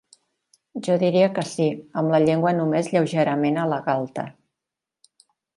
Jo diria que sí, amb la llengua només lleugerament a la galta.